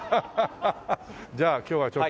じゃあ今日はちょっとね。